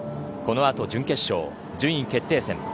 このあと、準決勝順位決定戦。